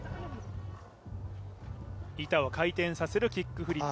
板を回転させるキックフリップ。